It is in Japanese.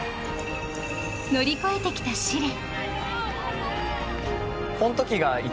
乗り越えてきた試練。